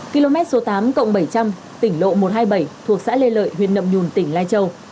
km số tám cộng bảy trăm linh tỉnh lộ một trăm hai mươi bảy thuộc xã lê lợi huyện nậm nhùn tỉnh lai châu